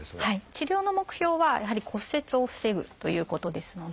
治療の目標はやはり骨折を防ぐということですので。